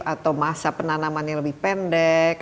atau masa penanamannya lebih pendek